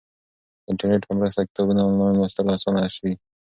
د انټرنیټ په مرسته کتابونه آنلاین لوستل اسانه شوي.